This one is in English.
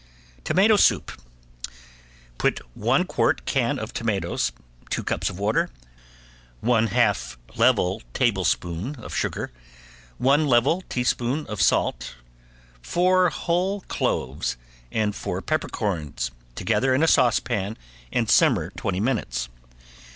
~TOMATO SOUP~ Put one quart can of tomatoes, two cups of water, one half level tablespoon of sugar, one level teaspoon of salt, four whole cloves, and four peppercorns together in a saucepan and simmer twenty minutes.